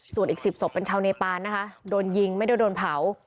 ส่วนอีก๑๐ศพเป็นชาวเนปานนะคะโดนยิงไม่ได้โดนเผา